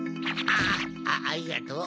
ありがとう。